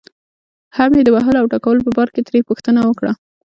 هم یې د وهلو او ټکولو په باره کې ترې پوښتنه وکړه.